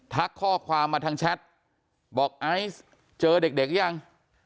ข้อความมาทางแชทบอกไอซ์เจอเด็กยัง